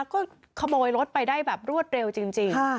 ก็ขโมยรถไปได้แบบรวดเร็วจริง